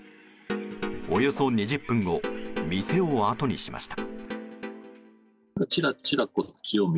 およそ２０分後店をあとにしました。